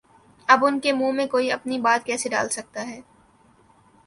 اب ان کے منہ میں کوئی اپنی بات کیسے ڈال سکتا ہے؟